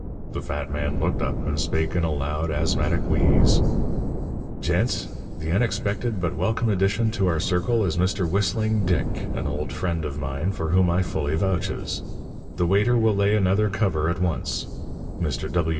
The fat man looked up, and spake in a loud, asthmatic wheeze: "Gents, the unexpected but welcome addition to our circle is Mr. Whistling Dick, an old friend of mine for whom I fully vouches. The waiter will lay another cover at once. Mr.